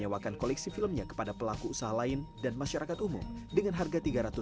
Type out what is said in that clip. alhamdulillah sampai sekarang